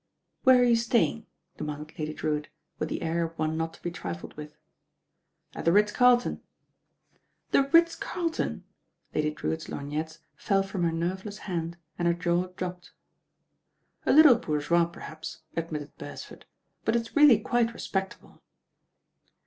"Where are you staying?" demanded Lady Drew itt, with the air of one not to be triHed with. "At the Ritz Carlton." "The Ritz Carlton 1" Lady Drewitt's lorgnettes fell from her nerveless hand and her jaw dropped. A little bourgeois perhaps," admitted Beresford, but It s really quite respectable."